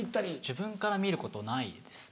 自分から見ることないですね。